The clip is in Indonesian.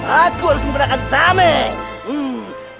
aku harus menggunakan tamik